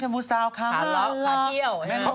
ไปชับเที่ยว